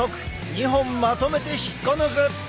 ２本まとめて引っこ抜く！